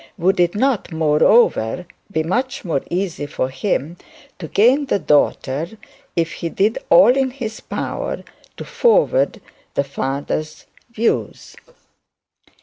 Would it not, moreover, be much more easy for him to gain his daughter, if he did all in his power to forward his father's views?